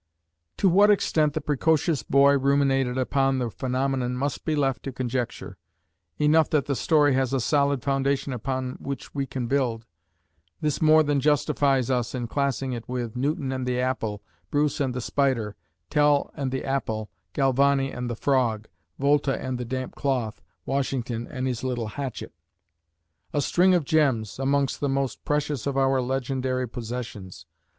To what extent the precocious boy ruminated upon the phenomenon must be left to conjecture. Enough that the story has a solid foundation upon which we can build. This more than justifies us in classing it with "Newton and the Apple," "Bruce and the Spider," "Tell and the Apple," "Galvani and the Frog," "Volta and the Damp Cloth," "Washington and His Little Hatchet," a string of gems, amongst the most precious of our legendary possessions.